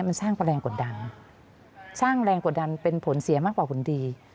มันสร้างแรงกดดันเป็นผลเสียมากกว่าผลดี